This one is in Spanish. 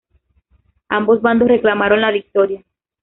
Ambos bandos reclamaron la victoria.